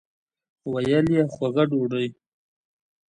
ویل یې خوږه ډوډۍ.